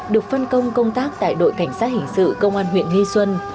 được phân công công tác tại đội cảnh sát hình sự công an huyện nghi xuân